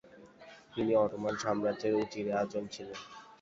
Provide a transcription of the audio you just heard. তিনি অটোমান সাম্রাজ্যের উজিরে আজম ছিলেন।